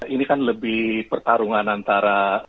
ini kan lebih pertarungan antara